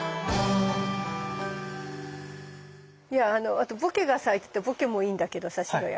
あとボケが咲いててボケもいいんだけどさ白赤。